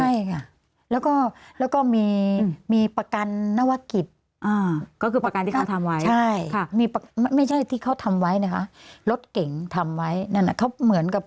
ใช่ค่ะแล้วก็มีประกันนวกิจก็คือประกันที่เขาทำไว้ใช่ค่ะมีไม่ใช่ที่เขาทำไว้นะคะรถเก่งทำไว้นั่นเขาเหมือนกับ